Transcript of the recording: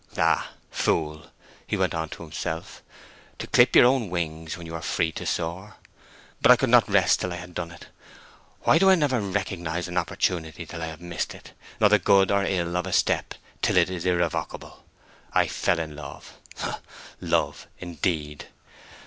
"Ah, fool," he went on to himself, "to clip your own wings when you were free to soar!...But I could not rest till I had done it. Why do I never recognize an opportunity till I have missed it, nor the good or ill of a step till it is irrevocable!...I fell in love....Love, indeed!